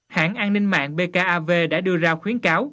hãng an ninh mạng bkav đã đưa ra khuyến cáo